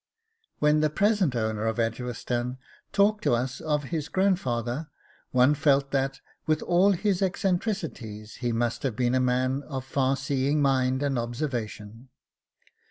When the present owner of Edgeworthstown talked to us of his grandfather, one felt that, with all his eccentricities, he must have been a man of a far seeing mind and observation.